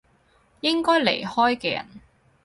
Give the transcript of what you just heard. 應該離開嘅人